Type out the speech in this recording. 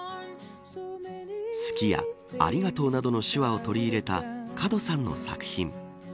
好きやありがとうなどの手話を取り入れた門さんの作品。